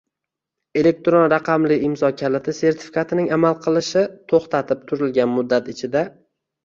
Elektron raqamli imzo kaliti sertifikatining amal qilishi to‘xtatib turilgan muddat ichida